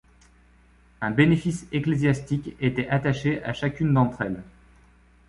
Un bénéfice ecclésiastique était attaché à chacune d'entre elles.